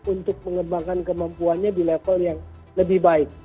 untuk mengembangkan kemampuannya di level yang lebih baik